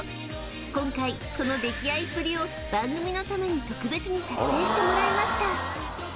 今回その溺愛っぷりを番組のために特別に撮影してもらいました